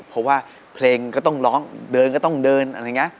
เพราะว่าเพลงก็ต้องร้องเดินก็ต้องเดินอะไรอย่างนี้